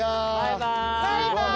バイバイ。